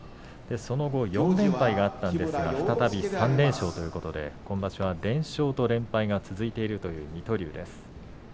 その後、４連敗があったんですが再び３連勝ということで今場所は連勝と連敗が続いている水戸龍です。